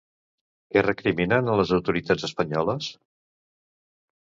Què recriminen a les autoritats espanyoles?